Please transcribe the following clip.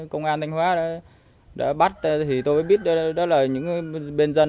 công an thanh hóa đã bắt thì tôi mới biết đó là những bên dân hoàn toàn là dân gần như là giống như dân kiểu dân xã hội